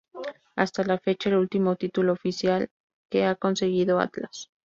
Hasta le fecha el último título oficial que ha conseguido Atlas.